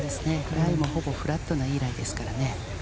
ライも、ほぼフラットないいライですからね。